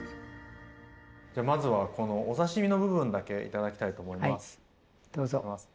まずはこのお刺身の部分だけ頂きたいと思います。